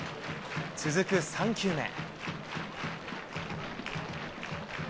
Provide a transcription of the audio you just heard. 続く３球目。